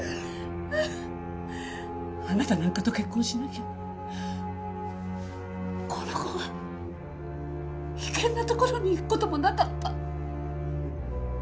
あなたなんかと結婚しなきゃこの子が危険な所に行く事もなかった。